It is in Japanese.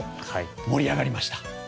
盛り上がりました。